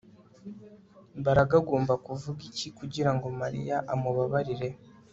Mbaraga agomba kuvuga iki kugirango Mariya amubabarire